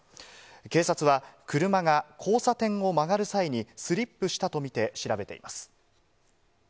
警察は、車が交差点を曲がる際にスリップしたと見て、調べています。